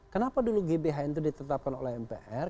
kenapa dulu gbhn itu ditetapkan oleh mpr